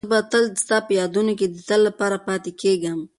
زه به تل ستا په یادونو کې د تل لپاره پاتې کېږم.